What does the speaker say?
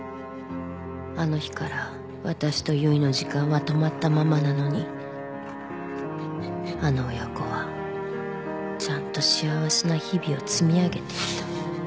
あの日から私と結衣の時間は止まったままなのにあの親子はちゃんと幸せな日々を積み上げていた。